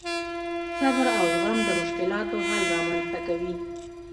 صبر او زغم د مشکلاتو حل رامنځته کوي.